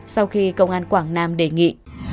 sau khi công an quảng nam đề nghị